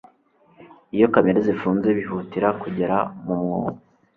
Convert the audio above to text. Iyo kamera zifunze bihutira kugera mu mwobo